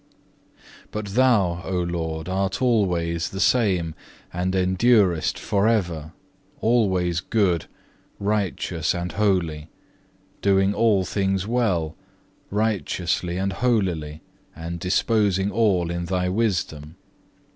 2. But Thou, O Lord, art always the same, and endurest for ever, always good, righteous, and holy; doing all things well, righteously, and holily, and disposing all in Thy wisdom.